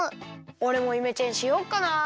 おれもイメチェンしよっかな。